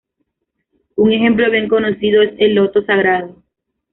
Un ejemplo bien conocido es el Loto Sagrado.